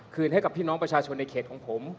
ให้กับพี่น้องประชาชนในเขตของผม